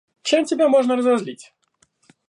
Чем тебя можно разозлить?